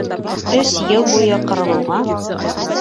Өс йыл буйы ҡырылыуға.